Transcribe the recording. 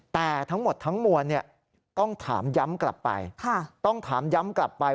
แต่ทั้งหมดทั้งมวลต้องถามย้ำกลับไป